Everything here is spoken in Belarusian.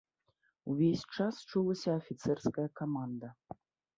Увесь час чулася афіцэрская каманда.